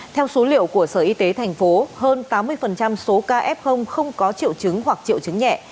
theo số liệu của sở y tế thành phố hơn tám mươi số ca f không có triệu chứng hoặc triệu chứng nhẹ